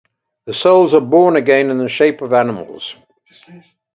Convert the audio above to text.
The souls are born again in the shape of animals.